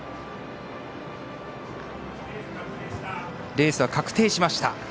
レースは確定しました。